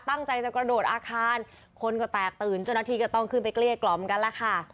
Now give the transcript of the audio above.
ตั้งใจจะกระโดดอาคารคนก็แตกตื่นเจ้าหน้าที่ก็ต้องขึ้นไปเกลี้ยกล่อมกันแล้วค่ะ